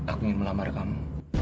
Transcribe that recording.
aku ingin melamar kamu